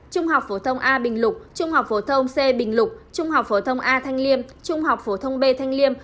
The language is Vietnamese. trung học phổ thông a bình lục trung học phổ thông c bình lục trung học phổ thông a thanh liêm trung học phổ thông b thanh liêm